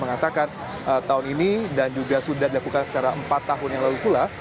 mengatakan tahun ini dan juga sudah dilakukan secara empat tahun yang lalu pula